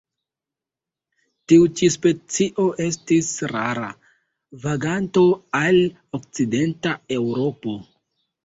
Tiu ĉi specio estis rara vaganto al okcidenta Eŭropo.